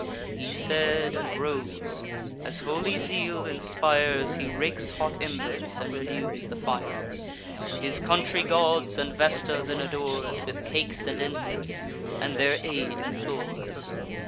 He said, and rose; as holy zeal inspires, He rakes hot embers, and renews the fires; His country gods and Vesta then adores With cakes and incense, and their aid implores.